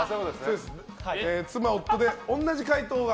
妻・夫で同じ回答が。